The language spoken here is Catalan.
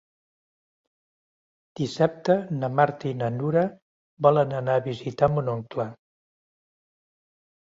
Dissabte na Marta i na Nura volen anar a visitar mon oncle.